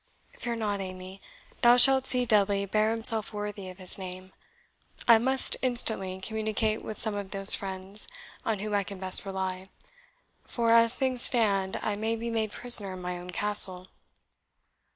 Fear not, Amy; thou shalt see Dudley bear himself worthy of his name. I must instantly communicate with some of those friends on whom I can best rely; for, as things stand, I may be made prisoner in my own Castle."